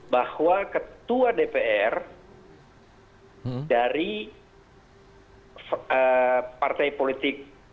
bahwa ketua dpr dari partai politik